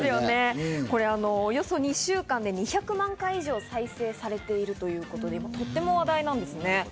およそ２週間で２００万回以上、再生されているということで、とっても話題なんですね。